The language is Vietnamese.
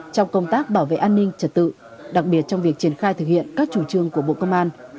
trong công tác bảo vệ an ninh trật tự đặc biệt trong việc triển khai thực hiện các chủ trương của bộ công an